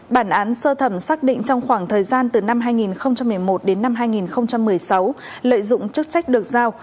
bản án sơ thẩm xác định trong khoảng thời gian từ năm hai nghìn một mươi một đến năm hai nghìn một mươi sáu lợi dụng chức trách được giao